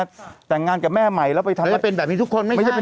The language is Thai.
แต่งงานกับแม่ใหม่แล้วไปทำแล้วเป็นแบบนี้ทุกคนไม่ใช่เป็น